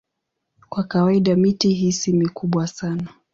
Kwa kawaida miti hii si mikubwa sana.